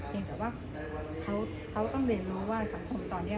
ยังแต่ว่าเขาต้องเรียนรู้ว่าสังคมตอนนี้